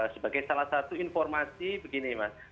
sebagai salah satu informasi begini mas